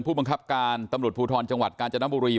ผู้บังคับการตำรวจภูทรจังหวัดกาญจนบุรี